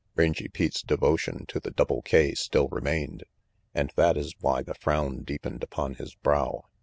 Rangy Pete's devotion to the Double K still remained, and that is why the frown deepened upon his brow.